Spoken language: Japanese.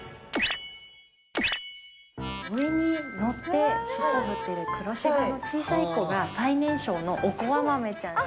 上に乗って尻尾振ってる黒柴の小さい子が最年少のおこわ豆ちゃんです。